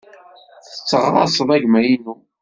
Tetteɣraṣeḍ agma-inu.